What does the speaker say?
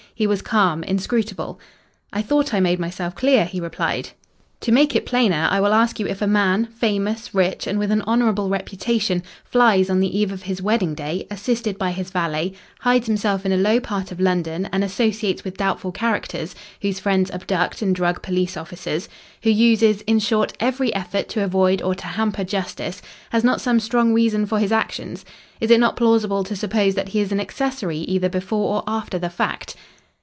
He was calm, inscrutable. "I thought I made myself clear," he replied. "To make it plainer I will ask you if a man, famous, rich, and with an honourable reputation, flies on the eve of his wedding day, assisted by his valet, hides himself in a low part of London, and associates with doubtful characters, whose friends abduct and drug police officers, who uses, in short, every effort to avoid or to hamper justice has not some strong reason for his actions? Is it not plausible to suppose that he is an accessory either before or after the fact?"